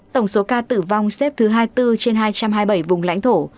tổng số ca tử vong xếp thứ hai mươi bốn trên hai trăm hai mươi bảy vùng lãnh thổ